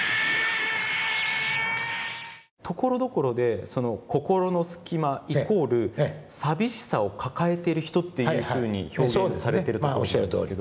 ところどころでココロのスキマイコール寂しさを抱えている人っていうふうに表現されてると思うんですけど。